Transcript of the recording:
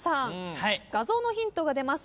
画像のヒントが出ます。